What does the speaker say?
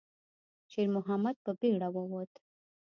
شېرمحمد په بیړه ووت.